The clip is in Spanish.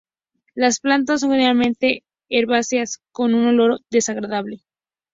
Las plantas son generalmente herbáceas con un olor desagradable.